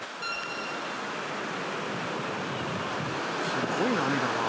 すっごい波だな。